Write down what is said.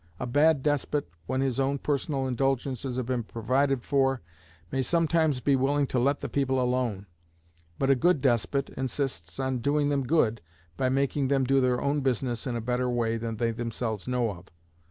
A bad despot, when his own personal indulgences have been provided for, may sometimes be willing to let the people alone; but a good despot insists on doing them good by making them do their own business in a better way than they themselves know of.